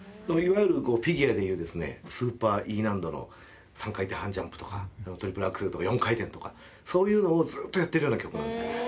いわゆるフィギュアでいう、スーパーＥ難度の３回転半ジャンプとか、トリプルアクセルとか、４回転とか、そういうのをずっとやっているような曲なんです。